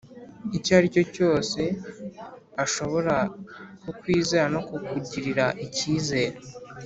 icyo ari cyo cyose ashobora kukwizera no kukugirira icyizere.